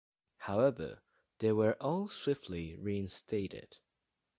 However, they were all swiftly reinstated.